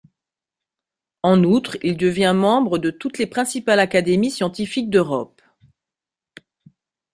En outre, il devient membre de toutes les principales académies scientifiques d’Europe.